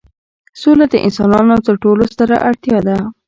سوله د انسانانو تر ټولو ستره اړتیا ده.